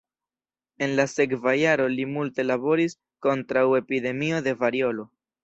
En la sekva jaro li multe laboris kontraŭ epidemio de variolo.